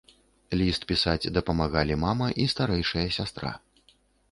Ліст пісаць дапамагалі мама і старэйшая сястра.